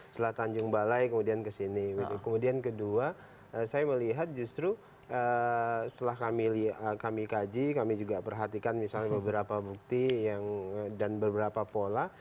selatan jung balai kemudian kesini kemudian kedua saya melihat justru setelah kami kaji kami juga perhatikan misalnya beberapa bukti yang dan beberapa pola